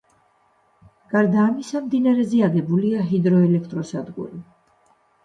გარდა ამისა, მდინარეზე აგებულია ჰიდროელექტროსადგური.